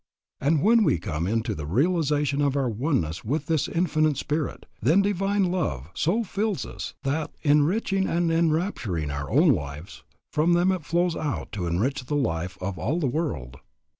And when we come into the realization of our oneness with this Infinite Spirit, then divine love so fills us that, enriching and enrapturing our own lives, from them it flows out to enrich the life of all the world.